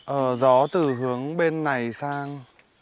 ờ gió từ hướng bên này sang